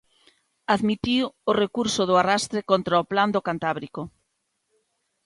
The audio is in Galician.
Admitiu o recurso do arrastre contra o Plan do Cantábrico.